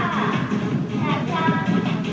แขนกัน